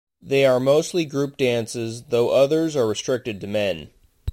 They are mostly group dances, though others are restricted to men.